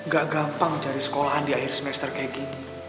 gak gampang cari sekolahan di akhir semester kayak gini